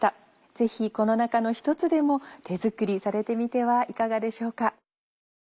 ぜひこの中の１つでも手作りされてみてはいかがでしょうか？